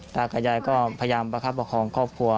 ตากับยายก็พยายามประคับประคองครอบครัว